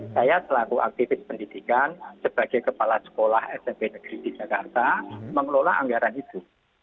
saya selaku aktivis pendidikan sebagai kepala sekolah smp negeri di jakarta mengelola anggaran itu